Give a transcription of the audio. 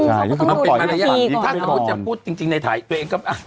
ใช่เขาก็ต้องดูหลายปีก่อนถ้าเขาก็จะพูดจริงในถ่ายตัวเองก็